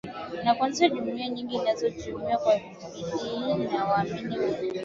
na kuanzisha jumuia nyingi Nazo jumuia kwa bidii za waamini wa